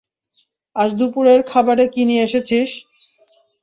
আজ দুপুরের খাবারে কী নিয়ে এসেছিস?